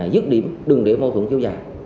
dứt điểm đừng để mâu thuẫn kéo dài